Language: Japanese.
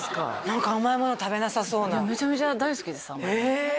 何か甘いもの食べなさそうなめちゃめちゃ大好きです甘いものへえ！